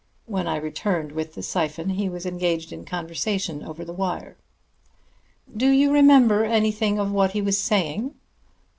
When I returned with the syphon he was engaged in conversation over the wire." "Do you remember anything of what he was saying?"